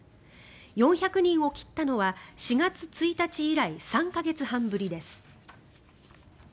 ４００人を切ったのは４月１日以来３か月半ぶりです。